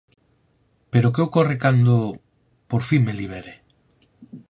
Pero que ocorre cando... por fin me libere?